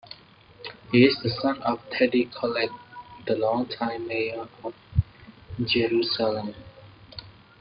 He is the son of Teddy Kollek, the long-time mayor of Jerusalem.